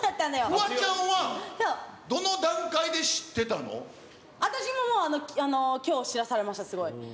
フワちゃんは、どの段階で知私もきょう、知らされました、すごい。